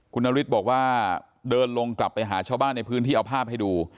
คุณนฤทธิ์บอกว่าเดินลงกลับไปหาชาวบ้านในพื้นที่เอาภาพให้ดู